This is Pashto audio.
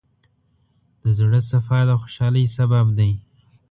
د زړۀ صفا د خوشحالۍ سبب دی.